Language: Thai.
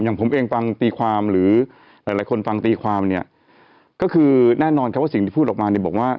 อย่างผมเองฟังตีความหรือหลายหลายคนฟังตีความเนี่ยก็คือแน่นอนครับว่าสิ่งที่พูดออกมาเนี่ยบอกว่า